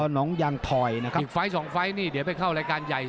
น้องยางถอยนะครับอีกไฟล์สองไฟล์นี่เดี๋ยวไปเข้ารายการใหญ่